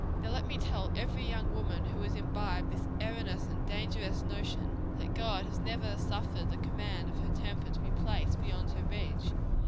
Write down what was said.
Now let me tell every young woman who has imbibed this erroneous and dangerous notion, that God has never suffered the command of her temper to be placed beyond her reach.